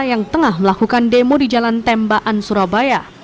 yang tengah melakukan demo di jalan tembaan surabaya